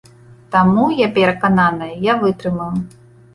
Таму, я перакананая, я вытрымаю.